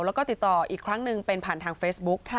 แล้วก็ติดต่ออีกครั้งหนึ่งเป็นผ่านทางเฟซบุ๊ก